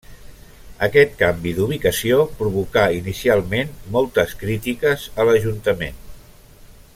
Aquest canvi d'ubicació provocà inicialment moltes crítiques a l'ajuntament.